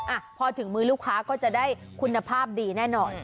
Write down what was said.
อ่ะพอถึงมือลูกค้าก็จะได้คุณภาพดีแน่นอน